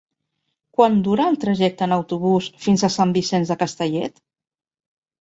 Quant dura el trajecte en autobús fins a Sant Vicenç de Castellet?